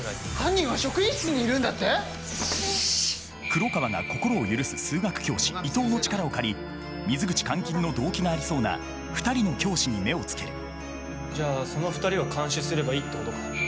黒川が心を許す数学教師伊藤の力を借り水口監禁の動機がありそうな２人の教師に目をつけるじゃあその２人を監視すればいいってことか。